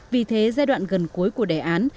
vì thế giai đoạn gần cuối của đề án